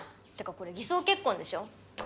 これ偽装結婚でしょ